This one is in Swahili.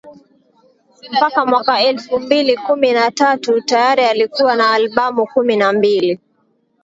Mpaka mwaka elfu mbili kumi na tatu tayari alikuwa na albamu kumi na mbili